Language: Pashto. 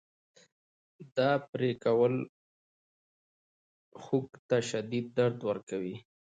دا پرې کول خوک ته شدید درد ورکوي.